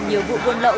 nhiều vụ buôn lậu